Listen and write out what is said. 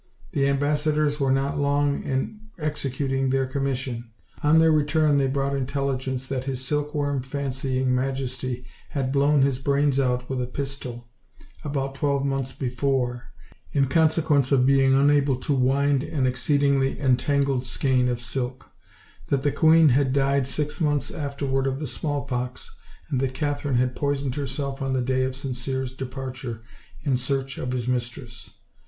The ambassadors were not long in executing their commis sion. On their return they brought intelligence that his silkworm fancying majesty had blown his brains out with a pistol, about twelve months before, in consequence of being unable to wind an exceedingly entangled skein of silk; that the queen had died six months afterward of the smallpox and thab Katherine had poisoned herself on the day of Sincere's departure in search of his mis tress.